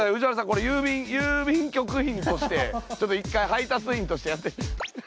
これ郵便局員としてちょっと１回配達員としてやって。